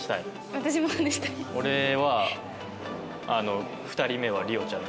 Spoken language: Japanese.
俺は２人目は莉桜ちゃん。